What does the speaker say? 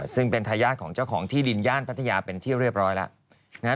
ซึ่งเป็นทายาทของเจ้าของที่ดินย่านพัทยาเป็นที่เรียบร้อยแล้ว